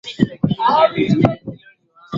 Aliyezaliwa tarejhe kumi na nne mwezi wa